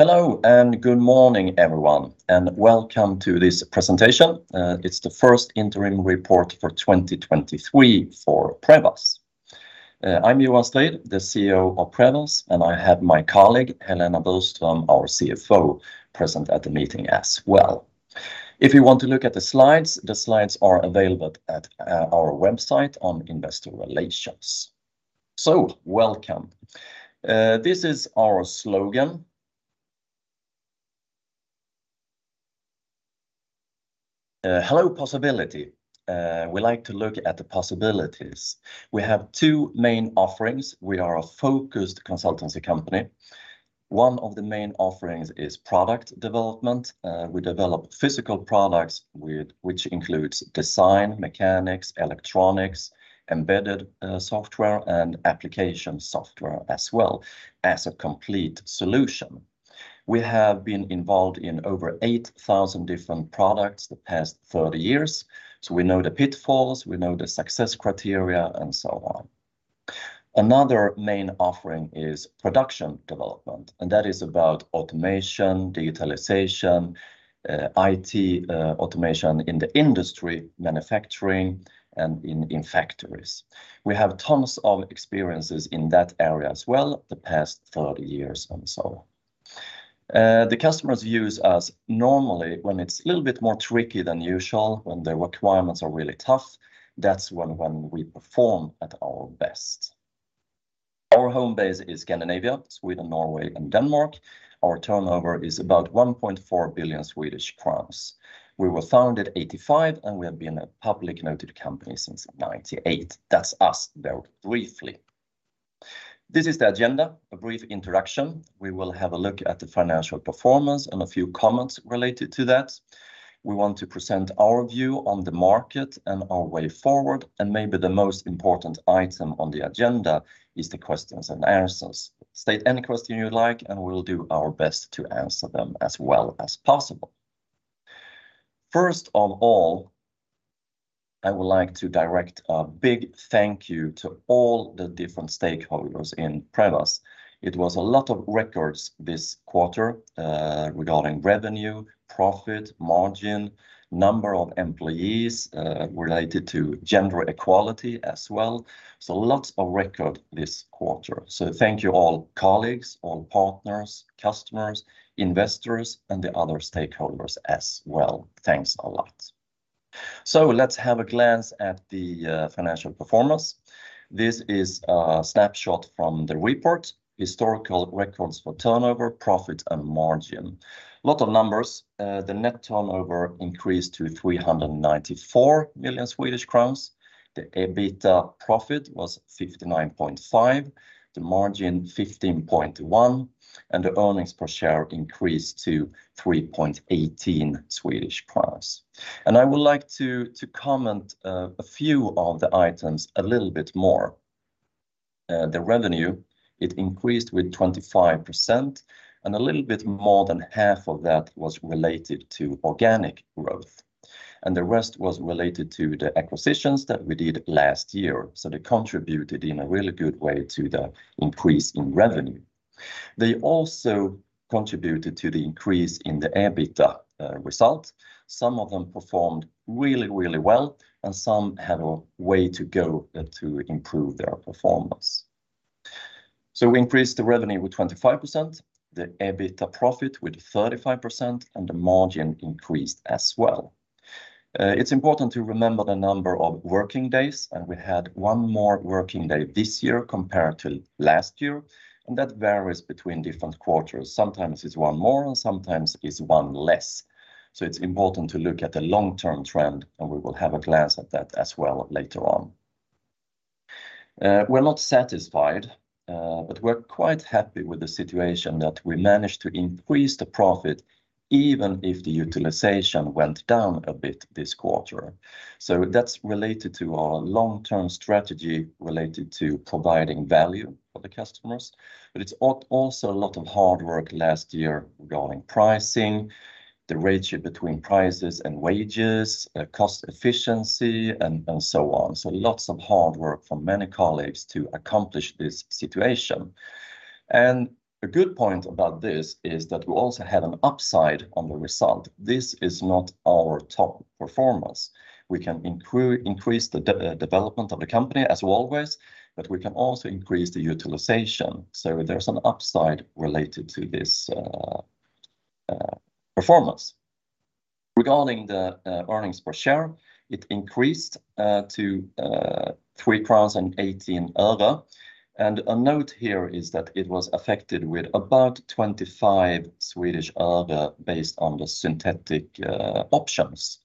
Hello and good morning, everyone, welcome to this presentation. It's the first interim report for 2023 for Prevas. I'm Johan Strid, the CEO of Prevas, I have my colleague, Helena Burström, our CFO, present at the meeting as well. If you want to look at the slides, the slides are available at our website on investor relations. Welcome. This is our slogan. Hello Possibility. We like to look at the possibilities. We have two main offerings. We are a focused consultancy company. One of the main offerings is product development. We develop physical products which includes design, mechanics, electronics, embedded software and application software as well as a complete solution. We have been involved in over 8,000 different products the past 30 years, so we know the pitfalls, we know the success criteria and so on. Another main offering is production development, and that is about automation, digitalization, IT, automation in the industry, manufacturing and in factories. We have tons of experiences in that area as well the past 30 years and so on. The customers use us normally when it's a little bit more tricky than usual, when the requirements are really tough. That's when we perform at our best. Our home base is Scandinavia, Sweden, Norway and Denmark. Our turnover is about 1.4 billion Swedish crowns. We were founded 1985 and we have been a public noted company since 1998. That's us very briefly. This is the agenda, a brief introduction. We will have a look at the financial performance and a few comments related to that. We want to present our view on the market and our way forward, maybe the most important item on the agenda is the questions and answers. State any question you like we'll do our best to answer them as well as possible. First of all, I would like to direct a big thank you to all the different stakeholders in Prevas. It was a lot of records this quarter, regarding revenue, profit margin, number of employees, related to gender equality as well. Lots of record this quarter. Thank you, all colleagues, all partners, customers, investors and the other stakeholders as well. Thanks a lot. Let's have a glance at the financial performance. This is a snapshot from the report. Historical records for turnover, profit and margin. Lot of numbers. The net turnover increased to 394 million Swedish crowns. The EBITDA profit was 59.5, the margin 15.1 and the earnings per share increased to 3.18 Swedish crowns. I would like to comment a few of the items a little bit more. The revenue, it increased with 25% and a little bit more than half of that was related to organic growth, and the rest was related to the acquisitions that we did last year. They contributed in a really good way to the increase in revenue. They also contributed to the increase in the EBITDA result. Some of them performed really well and some have a way to go to improve their performance. We increased the revenue with 25%, the EBITDA profit with 35% and the margin increased as well. It's important to remember the number of working days and we had one more working day this year compared to last year. That varies between different quarters. Sometimes it's one more and sometimes it's one less. It's important to look at the long-term trend and we will have a glance at that as well later on. We're not satisfied, we're quite happy with the situation that we managed to increase the profit even if the utilization went down a bit this quarter. That's related to our long-term strategy related to providing value for the customers. It's also a lot of hard work last year regarding pricing, the ratio between prices and wages, cost efficiency and so on. Lots of hard work for many colleagues to accomplish this situation. A good point about this is that we also have an upside on the result. This is not our top performance. We can increase the development of the company as always, but we can also increase the utilization. There's an upside related to this performance. Regarding the earnings per share, it increased to 3.18 crowns. A note here is that it was affected with about SEK 0.25 based on the synthetic options.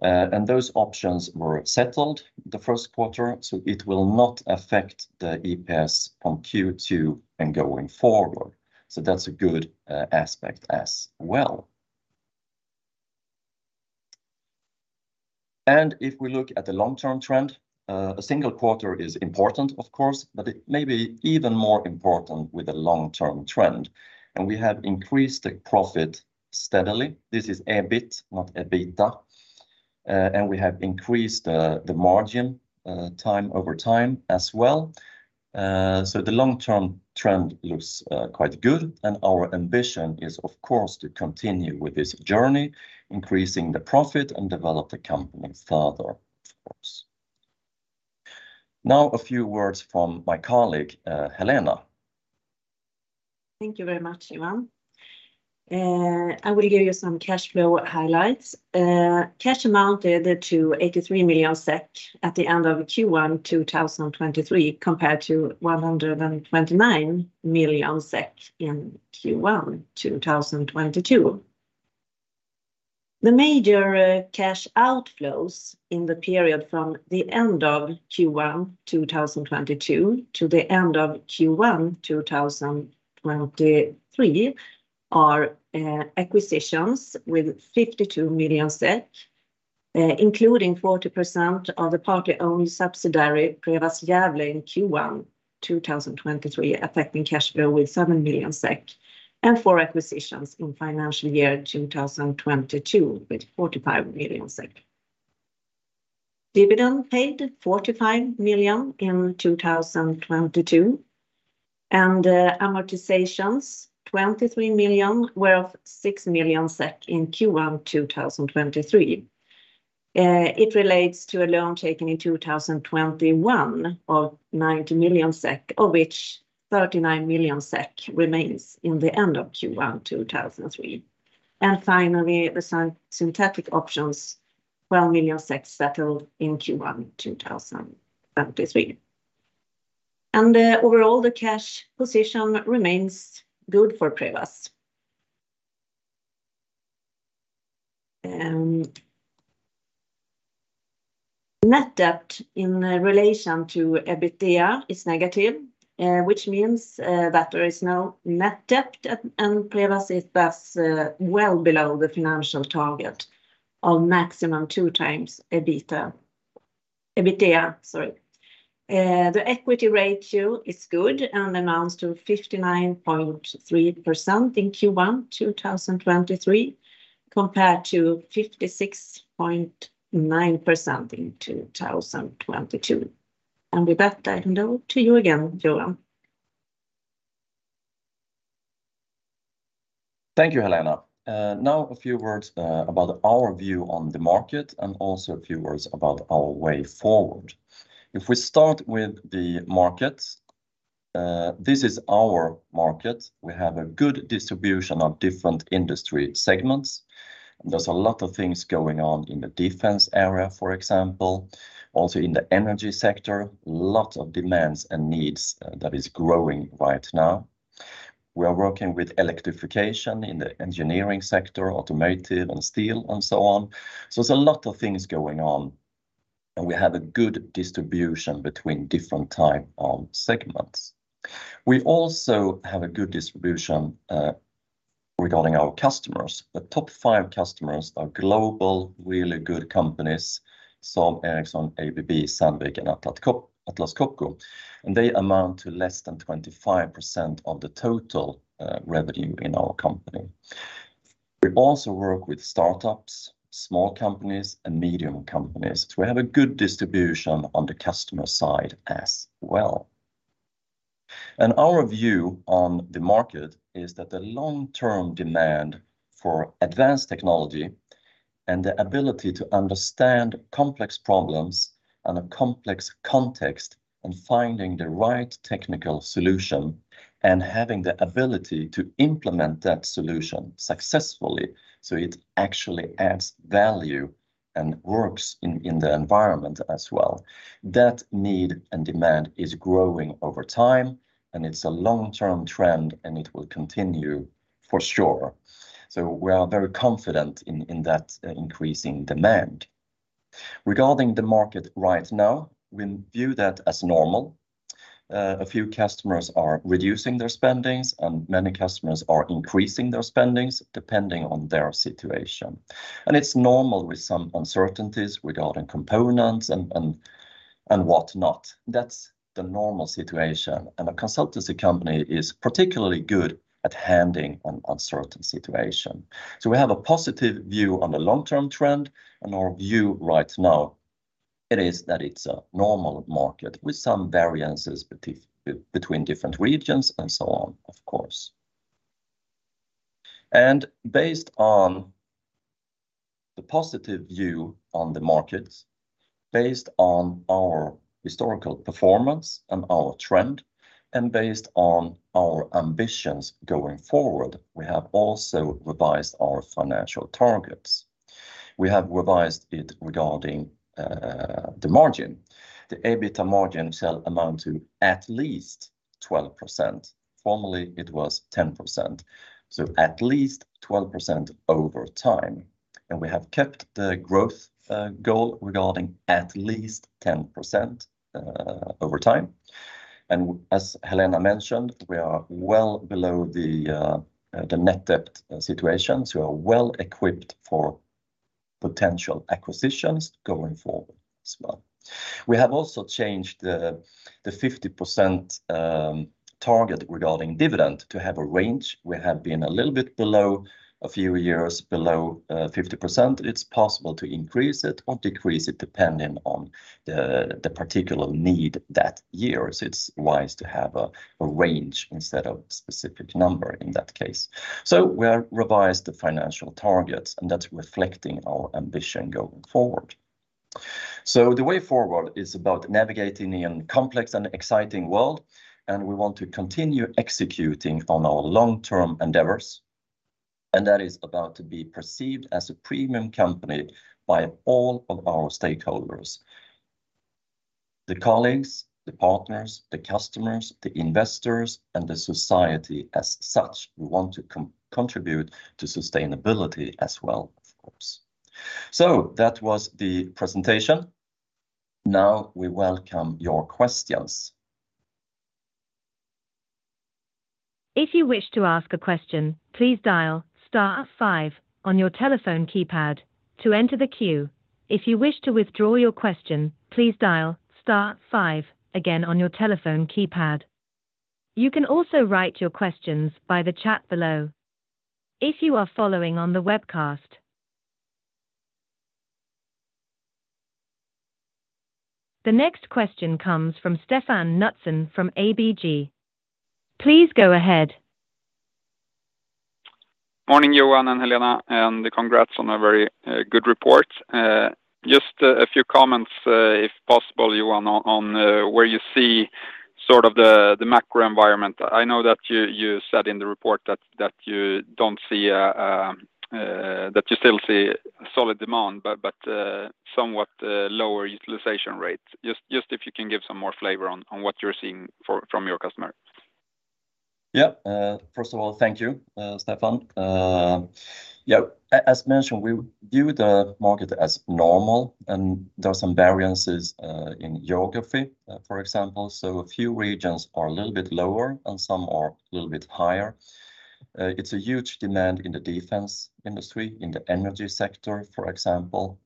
Those options were settled the first quarter, so it will not affect the EPS on Q2 and going forward. That's a good aspect as well. If we look at the long-term trend, a single quarter is important of course, but it may be even more important with a long-term trend. We have increased the profit steadily. This is EBIT, not EBITDA. We have increased the margin time over time as well. The long-term trend looks quite good. Our ambition is, of course, to continue with this journey, increasing the profit and develop the company further, of course. Now a few words from Helena Burströmmy colleague, Helena. Thank you very much, Johan. I will give you some cash flow highlights. Cash amounted to 83 million SEK at the end of Q1 2023, compared to 129 million SEK in Q1 2022. The major cash outflows in the period from the end of Q1 2022 to the end of Q1 2023 are acquisitions with 52 million, including 40% of the partly owned subsidiary, Prevas Gävle in Q1 2023, affecting cash flow with 7 million SEK and 4 acquisitions in financial year 2022 with 45 million SEK. Dividend paid 45 million in 2022, and amortizations, 23 million, were of 6 million SEK in Q1 2023. It relates to a loan taken in 2021 of 90 million SEK, of which 39 million SEK remains in the end of Q1, 2023. Finally, the synthetic options, 12 million settled in Q1, 2023. Overall, the cash position remains good for Prevas. Net debt in relation to EBITDA is negative, which means that there is no net debt. Prevas is, thus, well below the financial target of maximum 2x EBITDA. EBITDA, sorry. The equity ratio is good and amounts to 59.3% in Q1, 2023, compared to 56.9% in 2022. With that, I hand over to you again, Johan. Thank you, Helena. Now a few words about our view on the market and also a few words about our way forward. If we start with the market, this is our market. We have a good distribution of different industry segments. There's a lot of things going on in the defense area, for example. Also in the energy sector, lot of demands and needs that is growing right now. We are working with electrification in the engineering sector, automotive and steel and so on. There's a lot of things going on, and we have a good distribution between different type of segments. We also have a good distribution regarding our customers. The top 5 customers are global, really good companies, Saab, Ericsson, ABB, Sandvik, and Atlas Copco. They amount to less than 25% of the total revenue in our company. We also work with startups, small companies, and medium companies. We have a good distribution on the customer side as well. Our view on the market is that the long-term demand for advanced technology and the ability to understand complex problems and a complex context and finding the right technical solution and having the ability to implement that solution successfully so it actually adds value and works in the environment as well. That need and demand is growing over time, and it's a long-term trend, and it will continue for sure. We are very confident in that increasing demand. Regarding the market right now, we view that as normal. A few customers are reducing their spendings, and many customers are increasing their spendings depending on their situation. It's normal with some uncertainties regarding components and whatnot. That's the normal situation. A consultancy company is particularly good at handling an uncertain situation. We have a positive view on the long-term trend and our view right now it is that it's a normal market with some variances between different regions and so on, of course. Based on the positive view on the market, based on our historical performance and our trend, and based on our ambitions going forward, we have also revised our financial targets. We have revised it regarding the margin. The EBITDA margin shall amount to at least 12%. Formerly, it was 10%, so at least 12% over time. We have kept the growth goal regarding at least 10% over time. As Helena mentioned, we are well below the net debt situation, we're well equipped for potential acquisitions going forward as well. We have also changed the 50% target regarding dividend to have a range. We have been a little bit below a few years below 50%. It's possible to increase it or decrease it depending on the particular need that year. It's wise to have a range instead of specific number in that case. We are revised the financial targets, that's reflecting our ambition going forward. The way forward is about navigating in complex and exciting world, we want to continue executing on our long-term endeavors. That is about to be perceived as a premium company by all of our stakeholders, the colleagues, the partners, the customers, the investors, and the society as such. We want to contribute to sustainability as well, of course. That was the presentation. Now we welcome your questions. If you wish to ask a question, please dial star five on your telephone keypad to enter the queue. If you wish to withdraw your question, please dial star five again on your telephone keypad. You can also write your questions by the chat below if you are following on the webcast. The next question comes from Stefan Knutsson from ABG. Please go ahead. Morning, Johan and Helena, congrats on a very good report. Just a few comments, if possible, Johan, on where you see sort of the macro environment. I know that you said in the report that you don't see, that you still see solid demand, but somewhat lower utilization rates. Just if you can give some more flavor on what you're seeing from your customer? Yeah. First of all, thank you, Stefan. Yeah, as mentioned, we view the market as normal, and there are some variances in geography, for example. A few regions are a little bit lower, and some are a little bit higher. It's a huge demand in the defense industry, in the energy sector, for example,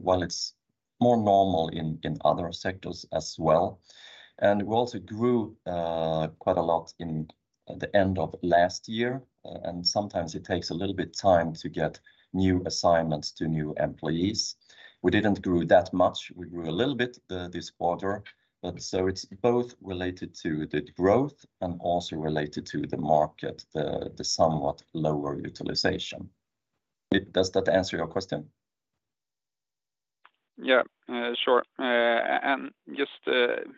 while it's more normal in other sectors as well. We also grew quite a lot in the end of last year, and sometimes it takes a little bit time to get new assignments to new employees. We didn't grew that much. We grew a little bit this quarter, it's both related to the growth and also related to the market, the somewhat lower utilization. Does that answer your question? Yeah. Sure. Just,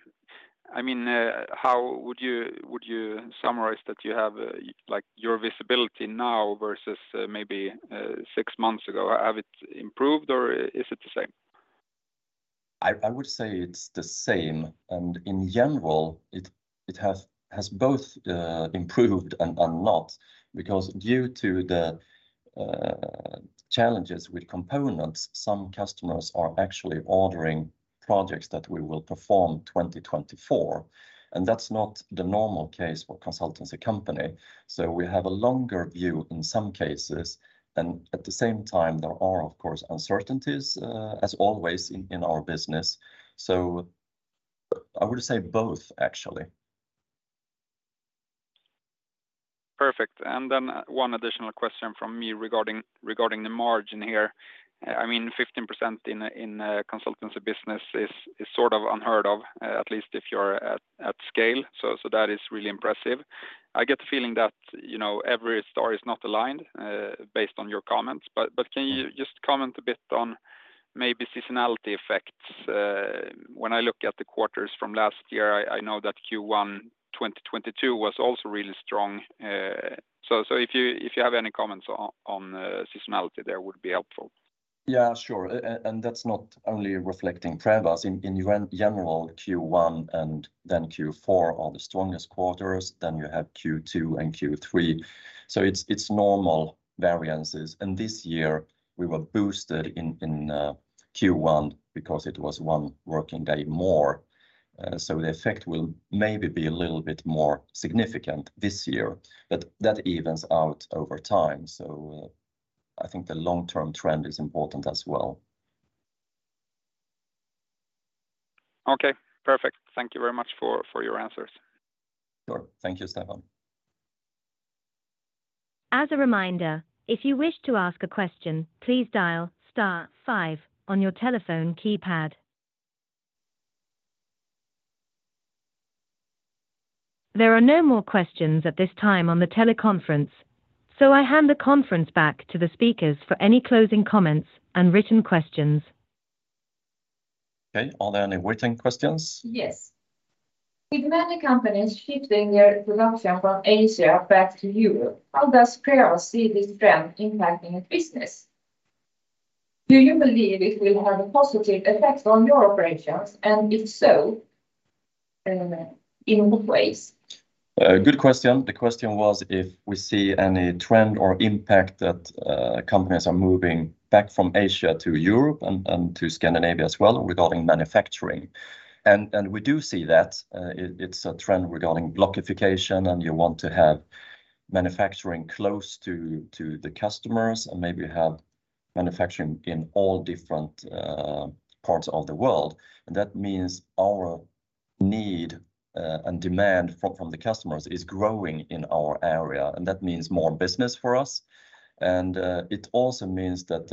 I mean, how would you summarize that you have, like your visibility now versus, maybe, six months ago? Have it improved or is it the same? I would say it's the same. In general, it has both improved and not because due to the challenges with components, some customers are actually ordering projects that we will perform 2024, and that's not the normal case for consultancy company. We have a longer view in some cases, and at the same time, there are, of course, uncertainties, as always in our business. I would say both, actually. Perfect. Then one additional question from me regarding the margin here. I mean, 15% in consultancy business is sort of unheard of, at least if you're at scale. That is really impressive. I get the feeling that, you know, every store is not aligned, based on your comments. Can you just comment a bit on maybe seasonality effects? When I look at the quarters from last year, I know that Q1 2022 was also really strong. If you have any comments on seasonality there would be helpful. Yeah, sure. That's not only reflecting Prevas. In general, Q1 and then Q4 are the strongest quarters, then you have Q2 and Q3. It's normal variances. This year we were boosted in Q1 because it was one working day more. The effect will maybe be a little bit more significant this year, but that evens out over time. I think the long-term trend is important as well. Okay. Perfect. Thank you very much for your answers. Sure. Thank you, Stefan. As a reminder, if you wish to ask a question, please dial star five on your telephone keypad. There are no more questions at this time on the teleconference. I hand the conference back to the speakers for any closing comments and written questions. Okay. Are there any written questions? Yes. With many companies shifting their production from Asia back to Europe, how does Prevas see this trend impacting its business? Do you believe it will have a positive effect on your operations, and if so, in what ways? Good question. The question was if we see any trend or impact that companies are moving back from Asia to Europe and to Scandinavia as well regarding manufacturing. We do see that. It's a trend regarding blockification, and you want to have manufacturing close to the customers and maybe have manufacturing in all different parts of the world. That means our need and demand from the customers is growing in our area, and that means more business for us. It also means that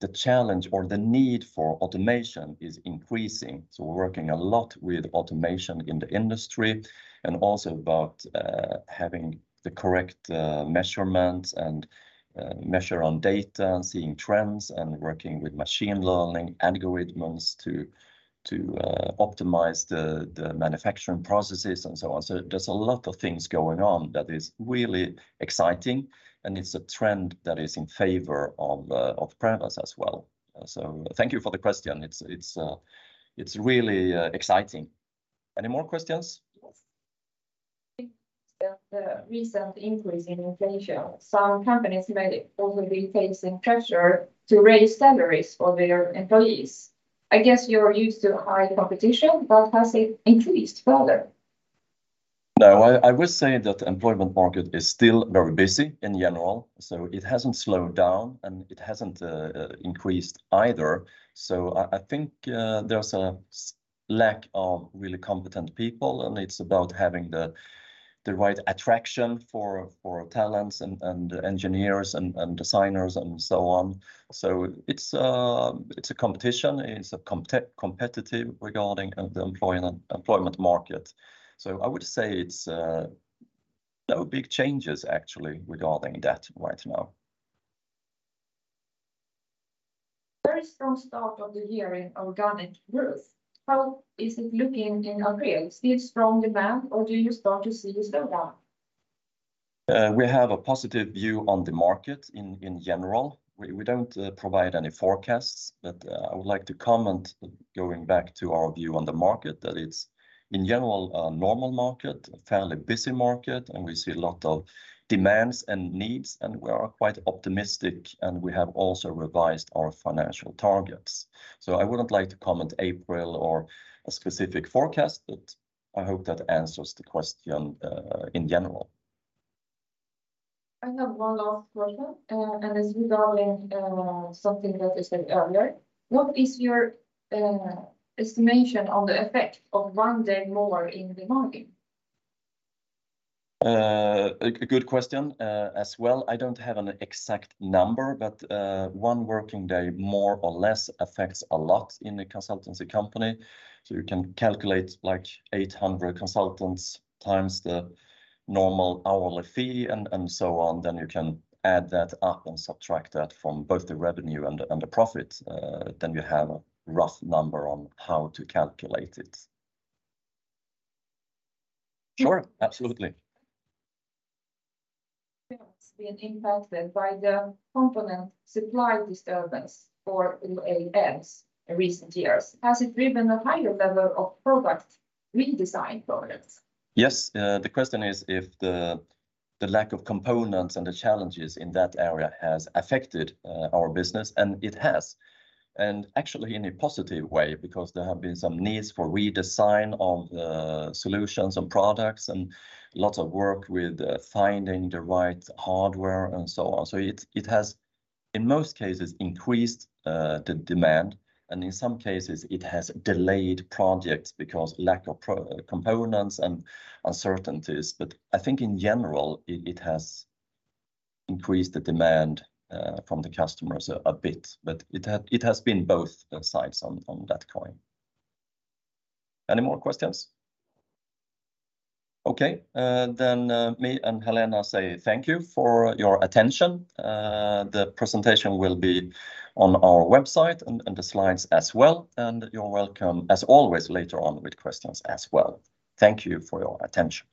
the challenge or the need for automation is increasing. We're working a lot with automation in the industry and also about having the correct measurements and measure on data and seeing trends and working with machine learning algorithms to optimize the manufacturing processes and so on. There's a lot of things going on that is really exciting, and it's a trend that is in favor of Prevas as well. Thank you for the question. It's, it's really exciting. Any more questions? The recent increase in inflation, some companies may also be facing pressure to raise salaries for their employees. I guess you're used to high competition, but has it increased further? No. I would say that employment market is still very busy in general, so it hasn't slowed down, and it hasn't increased either. I think there's a lack of really competent people, and it's about having the right attraction for talents and engineers and designers and so on. It's a competition. It's a competitive regarding of the employment market. I would say it's no big changes actually regarding that right now. Very strong start of the year in organic growth. How is it looking in April? Still strong demand, or do you start to see a slowdown? We have a positive view on the market in general. We don't provide any forecasts, but I would like to comment going back to our view on the market that it's, in general, a normal market, a fairly busy market, and we see a lot of demands and needs, and we are quite optimistic, and we have also revised our financial targets. I wouldn't like to comment April or a specific forecast, but I hope that answers the question in general. I have one last question, and it's regarding something that you said earlier. What is your estimation on the effect of one day more in the morning? A good question as well. I don't have an exact number, but one working day more or less affects a lot in a consultancy company. You can calculate like 800 consultants' times the normal hourly fee and so on, then you can add that up and subtract that from both the revenue and the profit. You have a rough number on how to calculate it. Sure. Absolutely. Prevas being impacted by the component supply disturbance for OEMs in recent years. Has it driven a higher level of product redesign projects? Yes. The question is if the lack of components and the challenges in that area has affected our business, and it has. Actually in a positive way because there have been some needs for redesign of solutions and products and lots of work with finding the right hardware and so on. It has, in most cases, increased the demand, and in some cases, it has delayed projects because lack of components and uncertainties. I think in general, it has increased the demand from the customers a bit. It has been both sides on that coin. Any more questions? Okay. Me and Helena say thank you for your attention. The presentation will be on our website and the slides as well, and you're welcome as always later on with questions as well. Thank you for your attention.